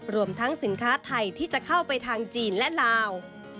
รวมทั้งสินค้าไทยที่จะเข้าไปทางจีนและลาว